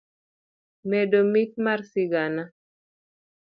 medo mit mar sigana.